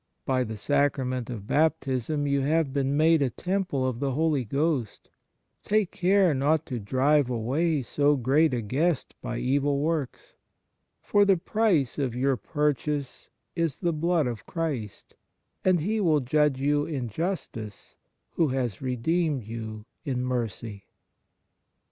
... By the sacrament of Baptism you have been made a temple of the Holy Ghost ; take care not to drive away so great a Guest by evil works ; for the price of your purchase is the blood of Christ, and He will judge you in justice who has redeemed you in mercy."